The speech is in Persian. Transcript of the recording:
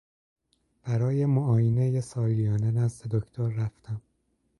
برای معاینه سالیانه نزد دکتر رفتم.